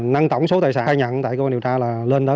năng tổng số tài sản khai nhận tại cơ quan điều tra là lên tới